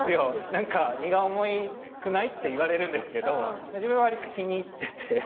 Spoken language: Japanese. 何か「荷が重くない？」って言われるんですけど自分は割と気に入ってて。